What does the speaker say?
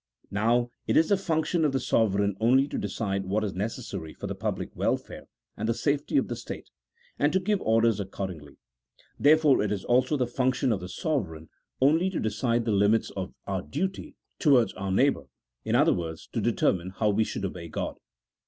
Now, it is the function of the sovereign only to decide what is necesssary for the public welfare and the safety of the state, and to give orders accordingly ; therefore it is also the function of the sovereign onlv to decide the limits of 250 A THE0L0GIC0 P0LIT1CAL TREATISE. [CHAP. XIX. our duty towards our neighbour — in other words, to deter mine how we should obey God.